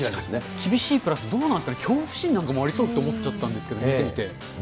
厳しいプラスどうなんですか、恐怖心なんかもありそうって思っちゃったんですけど。